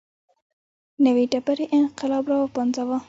د نوې ډبرې انقلاب راوپنځاوه.